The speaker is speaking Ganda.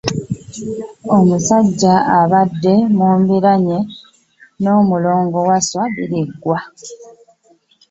Omusajja abadde ku mbiranye n'omulongo Wasswa Birigwa.